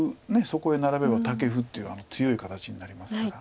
そこへナラべばタケフっていう強い形になりますから。